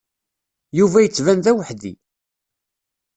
Yuba yettban d aweḥdi.